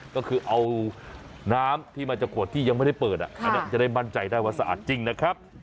ก็คือเอาน้ำที่มาจากขวดที่ยังไม่ได้เปิดอันนี้จะได้มั่นใจได้ว่าสะอาดจริงนะครับ